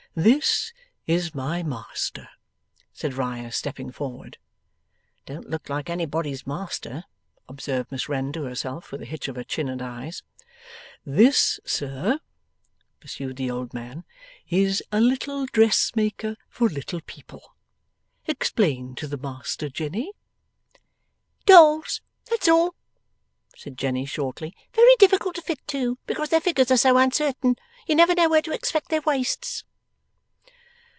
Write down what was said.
'This is my master,' said Riah, stepping forward. ['Don't look like anybody's master,' observed Miss Wren to herself, with a hitch of her chin and eyes.) 'This, sir,' pursued the old man, 'is a little dressmaker for little people. Explain to the master, Jenny.' 'Dolls; that's all,' said Jenny, shortly. 'Very difficult to fit too, because their figures are so uncertain. You never know where to expect their waists.